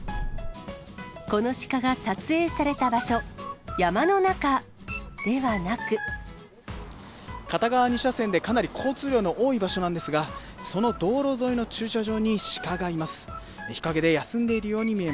このシカが撮影された場所、片側２車線で、かなり交通量の多い場所なんですが、その道路沿いの駐車場にシカがいます。